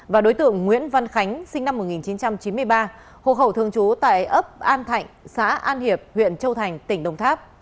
và đối tượng nguyễn văn khánh sinh năm một nghìn chín trăm chín mươi ba hộ khẩu thường trú tại ấp an thạnh xã an hiệp huyện châu thành tỉnh đồng tháp